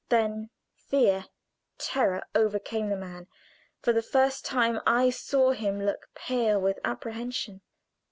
Then fear, terror overcame the man for the first time I saw him look pale with apprehension.